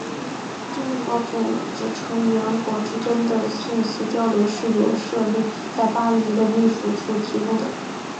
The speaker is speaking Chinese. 经合组织成员国之间的信息交流是由设立在巴黎的秘书处提供的。